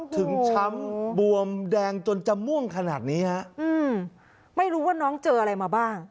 ช้ำบวมแดงจนจะม่วงขนาดนี้ฮะอืมไม่รู้ว่าน้องเจออะไรมาบ้าง